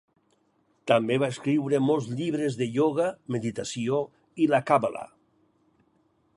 També va escriure molts llibres de ioga, meditació, i la càbala.